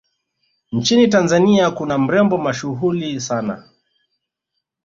nchini tanzania kuna mrembo mashuhuli sana